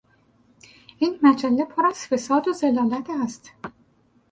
این مجله پر از فساد و ضلالت است.